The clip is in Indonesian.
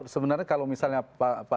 sebenarnya kalau misalnya pak jokowi menang